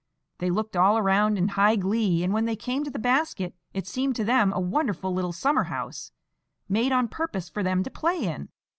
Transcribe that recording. They looked all around in high glee, and when they came to the basket it seemed to them a wonderful little summer house, made on purpose for them to play in.